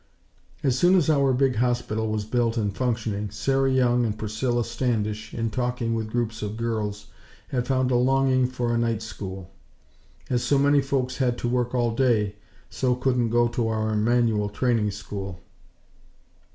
As soon as our big hospital was built and functioning, Sarah Young and Priscilla Standish, in talking with groups of girls, had found a longing for a night school, as so many folks had to work all day, so couldn't go to our Manual Training School.